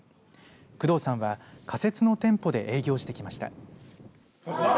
工藤さんは仮設の店舗で営業してきました。